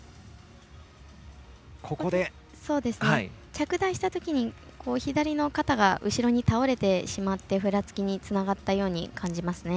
着台したときに左の肩が後ろに倒れてしまってふらつきにつながったように感じますね。